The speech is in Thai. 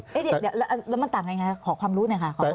เดี๋ยวแล้วมันต่างกันอย่างไรคะขอความรู้นะค่ะ